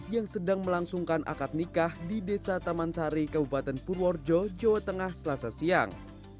yang sedang melangsungkan akad nikah di desa taman sari kabupaten purworejo jawa tengah selasa siang